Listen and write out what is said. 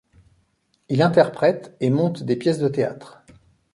Il interprète et monte des pièces de théâtre.